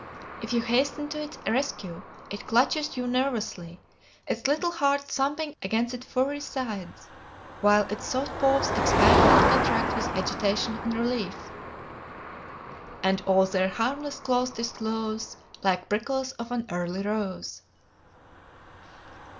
If you hasten to its rescue, it clutches you nervously, its little heart thumping against its furry sides, while its soft paws expand and contract with agitation and relief: "'And all their harmless claws disclose, Like prickles of an early rose.'